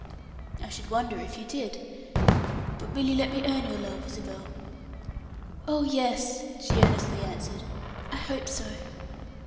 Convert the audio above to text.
"I should wonder if you did. But you will let me earn your love, Isabel?" "Oh, yes," she earnestly answered. "I hope so."